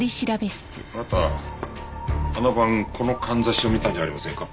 あなたあの晩このかんざしを見たんじゃありませんか？